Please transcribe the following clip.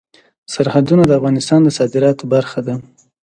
سرحدونه د افغانستان د صادراتو برخه ده.